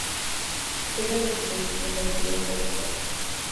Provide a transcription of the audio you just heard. Es de las iglesias más antiguas del estado.